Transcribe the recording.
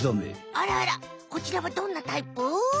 あらあらこちらはどんなタイプ？